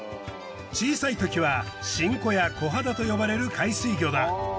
小さいときはシンコやコハダと呼ばれる海水魚だ。